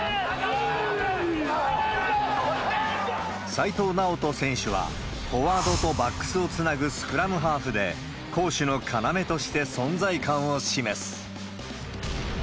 齋藤直人選手はフォワードとバックスをつなぐスクラムハーフで、攻守の要として存在感を示す。